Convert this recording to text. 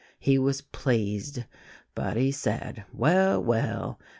He was pleased; but he said, 'Well, well!